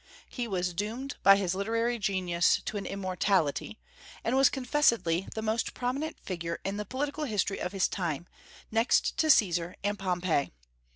"He was doomed, by his literary genius, to an immortality," and was confessedly the most prominent figure in the political history of his time, next to Caesar and Pompey.